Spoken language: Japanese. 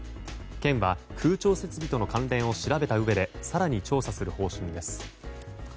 県は空調設備との関連を調べたうえで更に調査する方針です。